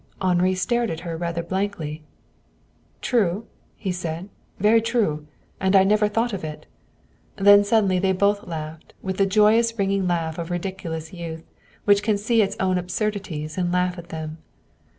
Henri stared at her rather blankly. "True!" he said. "Very true. And I never thought of it!" Then suddenly they both laughed, the joyous ringing laugh of ridiculous youth, which can see its own absurdities and laugh at them.